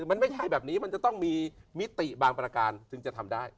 มันไม่ใช่แบบนี้มันจะต้องมีมิติบางประการถึงจะทำได้